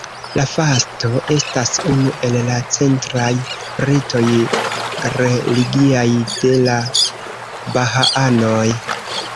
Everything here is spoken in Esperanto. La Fasto estas unu el la centraj ritoj religiaj de la bahaanoj.